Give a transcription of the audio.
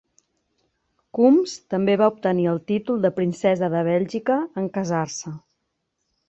Coombs també va obtenir el títol de princesa de Bèlgica en casar-se.